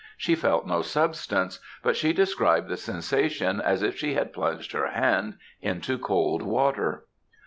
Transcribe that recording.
She felt no substance, but she described the sensation as if she had plunged her hand into cold water.